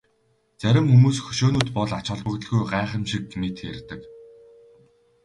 Зарим хүмүүс хөшөөнүүд бол ач холбогдолгүй гайхамшиг мэт ярьдаг.